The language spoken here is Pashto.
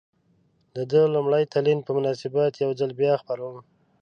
د ده د لومړي تلین په مناسبت یو ځل بیا خپروم.